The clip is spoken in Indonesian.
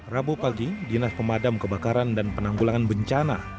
rabu pagi dinas pemadam kebakaran dan penanggulangan bencana